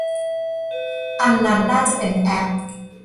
อันนั้นน่าจะเป็นแอป